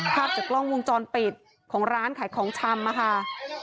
ภาพจากกล้องวงจรปิดของร้านขายของชำอะค่ะ